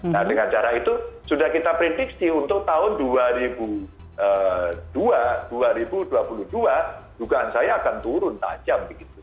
nah dengan cara itu sudah kita prediksi untuk tahun dua ribu dua puluh dua dugaan saya akan turun tajam